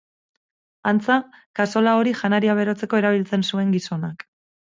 Antza, kazola hori janaria berotzeko erabiltzen zuen gizonak.